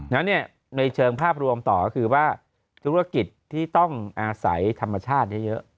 ฉะนั้นในเชิงภาพรวมต่อก็คือว่าธุรกิจที่ต้องอาศัยธรรมชาติเยอะ